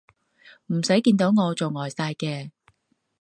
唔使見到我就呆晒嘅